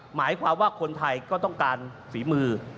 หมายความว่าคนไทยก็ต้องการฝีมือ